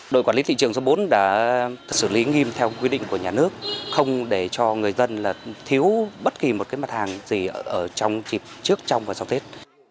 đội quản lý thị trường số bốn đã xử lý nghiêm theo quy định của nhà nước không để cho người dân thiếu bất kỳ một cái mặt hàng gì ở trong dịp trước trong và sau tết